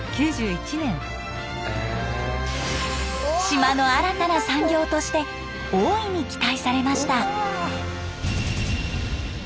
島の新たな産業として大いに期待されました。